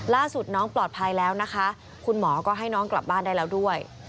ล่าสุดน้องปลอดภัยแล้วนะคะคุณหมอก็ให้น้องกลับบ้านได้แล้วด้วย